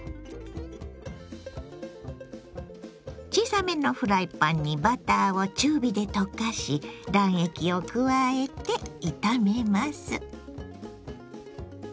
小さめのフライパンにバターを中火で溶かし卵液を加えて炒めます。